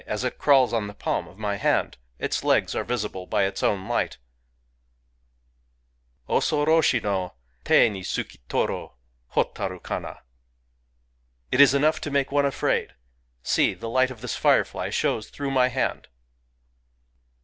— as it crawls on the palm of my hand, its legs are visible [by its own light] ! Osoroshi no Te ni sukitoru, Hotaru kana ! It is enough to make one afraid ! See t the light of this firefly shows through my hand